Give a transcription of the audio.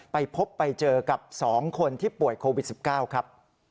ไปพบไปเจอกับ๒คนที่ป่วยโควิด๑๙ครับ